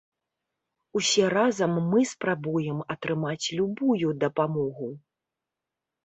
Усе разам мы спрабуем атрымаць любую дапамогу.